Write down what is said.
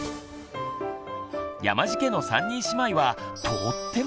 山地家の三人姉妹はとっても仲よし！